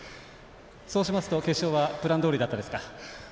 そうしますと決勝はプランどおりだったですか？